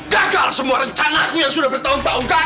gagal semua rencanaku yang sudah bertahun tahun